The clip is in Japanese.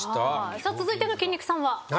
さあ続いての筋肉さんは。